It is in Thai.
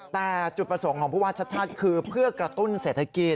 แต่จุดประสงค์ของผู้ว่าชัดคือเพื่อกระตุ้นเศรษฐกิจ